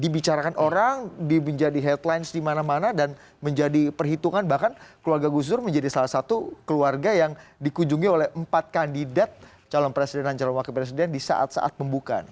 dibicarakan orang menjadi headlines di mana mana dan menjadi perhitungan bahkan keluarga gus dur menjadi salah satu keluarga yang dikunjungi oleh empat kandidat calon presiden dan calon wakil presiden di saat saat pembukaan